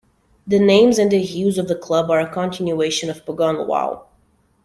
The name and the hues of the club are a continuation of Pogon Lwow.